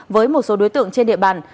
với một số đối tượng trên địa bàn